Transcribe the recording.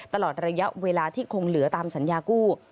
ตลอดระยะเวลาที่คงเหลือตามสัญญากู้